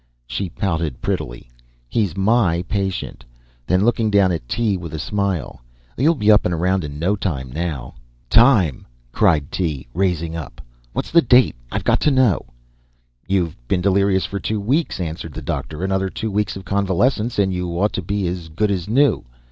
She pouted prettily. "He's my patient." Then looking down at Tee with a smile, "You'll be up and around in no time now." "Time!" cried Tee, raising up. "What's the date? I've got to know!" "You've been delirious for two weeks," answered the doctor. "Another two weeks of convalescence and you ought to be as good as new."